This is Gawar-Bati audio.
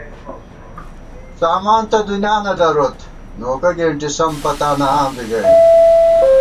سامان تہ دُنیا نہ دروت ، نوکہ گېنٹِی سَم پتانہ آں بی گئیم